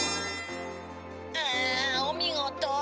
「うお見事。